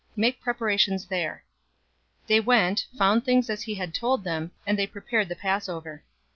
Make preparations there." 022:013 They went, found things as he had told them, and they prepared the Passover.